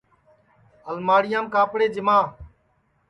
الماڑیام کاپڑے جیما